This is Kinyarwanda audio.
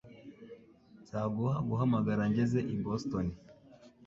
Nzaguha guhamagara ngeze i Boston